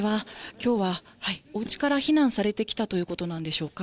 きょうはおうちから避難されてきたということなんでしょうか。